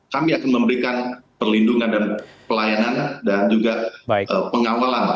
kami akan memberikan perlindungan dan pelayanan dan juga pengawalan